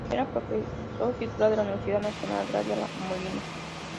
Era profesor titular de la Universidad Nacional Agraria La Molina.